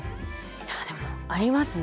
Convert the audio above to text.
いやでもありますね。